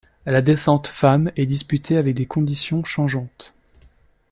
La descente Femmes est disputée avec des conditions changeantes.